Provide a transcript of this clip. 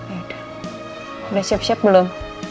udah siap siap belum